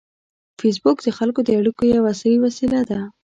فېسبوک د خلکو د اړیکو یوه عصري وسیله ده